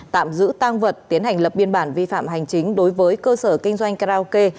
tạm giữ tăng vật tiến hành lập biên bản vi phạm hành chính đối với cơ sở kinh doanh karaoke